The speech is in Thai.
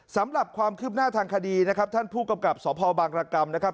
สำหรับความคืบหน้าทางคดีนะครับท่านผู้กำกับสพบางรกรรมนะครับ